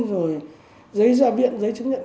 rồi giấy gia viện giấy chứng nhận